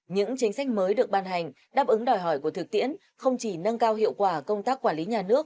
những chính sách mới được ban hành đáp ứng đòi hỏi của thực tiễn không chỉ nâng cao hiệu quả công tác quản lý nhà nước